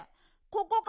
ここ。